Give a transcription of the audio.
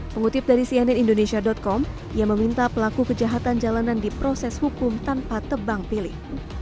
pengutip dari cnnindonesia com ia meminta pelaku kejahatan jalanan di proses hukum tanpa tebang pilih